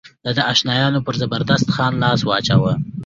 د ده اشنایانو پر زبردست خان لاس واچاوه.